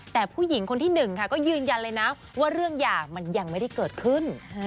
แต่ผู้หญิงคนที่หนึ่งค่ะก็ยืนยันเลยนะว่าเรื่องหย่ามันยังไม่ได้เกิดขึ้น